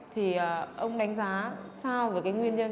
thì ông đánh giá sao về cái nguyên nhân